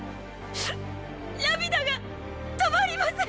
涙が止まりません。